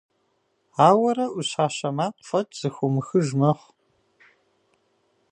Ауэрэ ӏущащэ макъ фӏэкӏ зэхыумыхыж мэхъу.